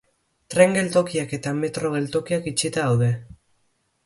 Tren-geltokiak eta metro-geltokiak itxita daude.